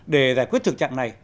để giải quyết thực trạng này